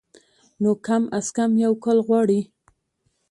نو کم از کم يو کال غواړي